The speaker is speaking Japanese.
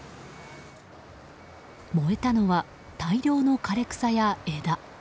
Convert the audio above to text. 燃えたのは大量の枯れ草や枝。